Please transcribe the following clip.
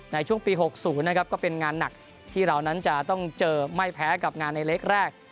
ในช่วงปี๖๐นะครับก็เป็นงานหนักที่เรานั้นจะต้องเจอไม่แพ้กับงานในเล็กแรก